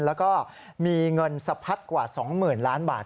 แล้วก็มีเงินสะพัดกว่า๒๐๐๐ล้านบาท